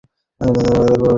এই মেয়ের সাথে বসে গল্প করবে?